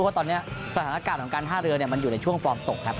ว่าตอนนี้สถานการณ์ของการท่าเรือมันอยู่ในช่วงฟอร์มตกครับ